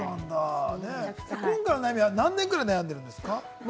今回のお悩みは何年ぐらい悩んでるんですか？